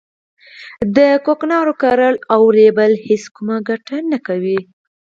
د کوکنارو کرل او رېبل هیڅ کومه ګټه نه کوي